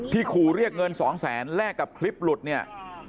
ที่ขูเรียกเงิน๒๐๐๐๐๐แรกกับคลิปหลุดเนี่ย